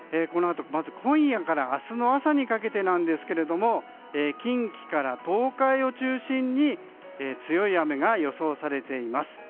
今夜から明日にかけてですが近畿から東海を中心に強い雨が予想されています。